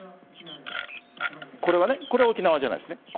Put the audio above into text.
これは沖縄じゃないですね。